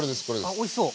あっおいしそう！